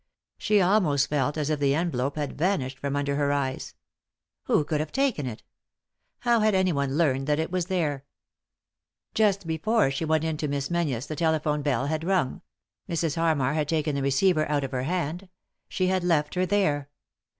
She almost felt as if the envelope had vanished from under her eyes. Who could have taken it ? How had anyone learned that it was there ? Just before she went in to Miss Menzies the telephone bell had rung ; Mrs. Harmar had taken the receiver out of her hand ; she had left her there.